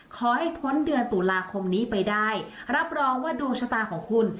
ขอให้พ้นเดือนตุลาคมนี้ไปได้รับรองว่าดวงชะตาของคุณ